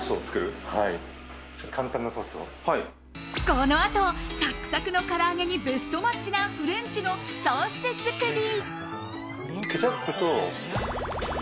このあとサクサクのから揚げにベストマッチなフレンチのソース作り。